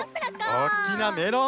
おっおっきなメロン！